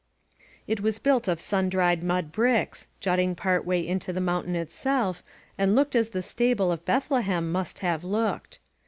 It was built of sun dried mud bricks, jutting part way into the mountain itself, and looked as the stable of Bethlehem must have looked.